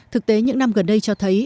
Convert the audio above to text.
thực tế những năm gần đây cho thấy